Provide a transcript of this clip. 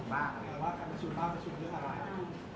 หรือว่าเคยประชุมบ้างหรือว่าการประชุมบ้างประชุมเรื่องอะไร